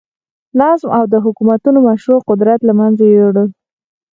نظم او د حکومتونو مشروع قدرت له منځه یووړل.